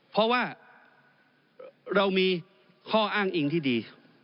เพราะว่าเรามีข้ออ้างอิงที่ดี